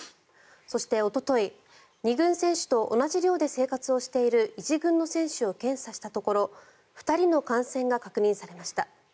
そしておととい、２軍選手と同じ寮で生活をしている１軍の選手を検査したところ２人の感染が確認されました。